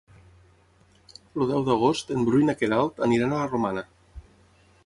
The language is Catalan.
El deu d'agost en Bru i na Queralt aniran a la Romana.